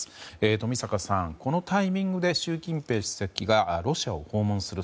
冨坂さん、このタイミングで習近平主席がロシアを訪問する。